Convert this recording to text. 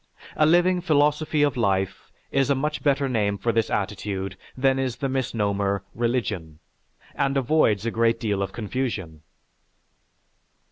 A living philosophy of life is a much better name for this attitude than is the misnomer "religion," and avoids a great deal of confusion.